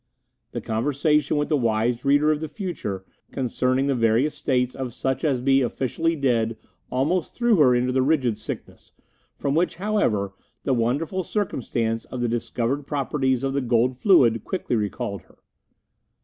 The conversation with the wise reader of the future concerning the various states of such as be officially dead almost threw her into the rigid sickness, from which, however, the wonderful circumstance of the discovered properties of the gold fluid quickly recalled her.